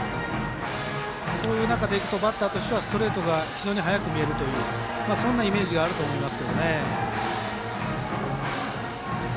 そういう中でバッターとしてはストレートが速く見えるというそんなイメージがあると思います。